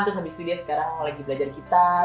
terus abis itu dia sekarang lagi belajar gitar